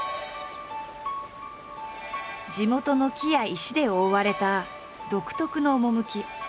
地元の木や石で覆われた独特の趣。